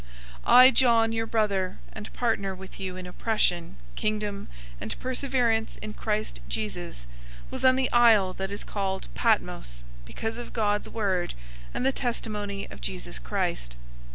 001:009 I John, your brother and partner with you in oppression, Kingdom, and perseverance in Christ Jesus, was on the isle that is called Patmos because of God's Word and the testimony of Jesus Christ.